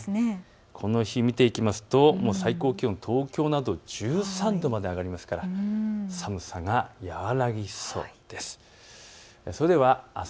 この日、見ていきますと最高気温、東京など１３度まで上がりますから寒さは和らぎそうです。